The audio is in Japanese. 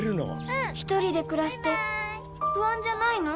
一人で暮らして不安じゃないの？